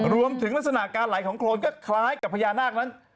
ลักษณะการไหลของโครนก็คล้ายกับพญานาคนั้น